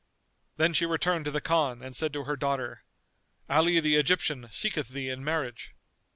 Then she returned to the Khan and said to her daughter, "Ali the Egyptian seeketh thee in marriage."